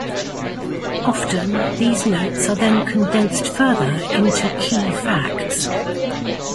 Often, these notes are then condensed further into key facts.